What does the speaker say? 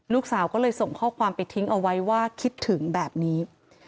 ลูกสาวก็เลยส่งข้อความไปทิ้งเอาไว้ว่าคิดถึงแบบนี้